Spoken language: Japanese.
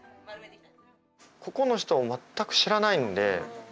ここの人を全く知らないので。